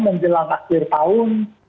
menjelang akhir tahun